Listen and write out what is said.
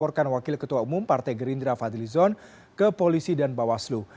melaporkan wakil ketua umum partai gerindra fadlizon ke polisi dan bawaslu